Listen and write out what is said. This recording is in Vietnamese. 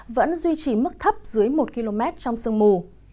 vẫn duy trì mức thấp dưới một km trong sương mù